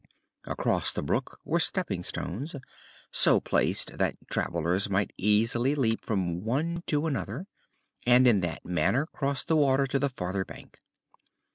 Across the brook were stepping stones, so placed that travelers might easily leap from one to another and in that manner cross the water to the farther bank.